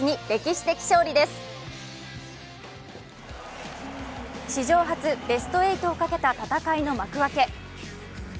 史上初、ベスト８をかけた戦いの幕開け。